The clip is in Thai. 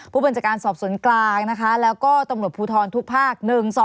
ผู้บัญชาการสอบสวนกลางนะคะแล้วก็ตำรวจภูทรทุกภาค๑๒